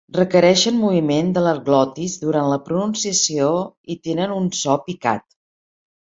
Requereixen moviment de la glotis durant la pronunciació i tenen un so picat.